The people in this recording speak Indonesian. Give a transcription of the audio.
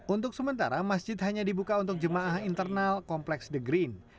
untuk sementara masjid hanya dibuka untuk jemaah internal kompleks the green